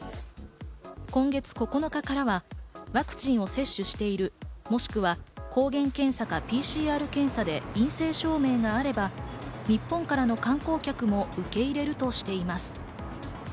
今月９日からはワクチンを接種している、もしくは抗原検査かＰＣＲ検査で陰性証明があれば、日本からの観光客も受け入れるとしています。